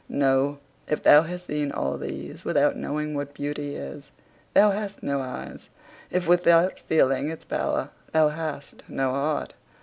No. If thou hast seen all these without knowing what beauty is, thou hast no eyes; if without feeling its power, thou hast no heart.